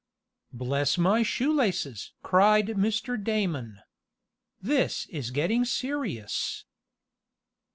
"Bless my shoelaces!" cried Mr. Damon. "This is getting serious."